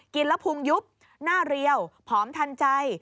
กินแล้วพุงยุบหน้าเรียวผอมทันใจ